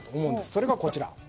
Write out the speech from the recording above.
それがこちら。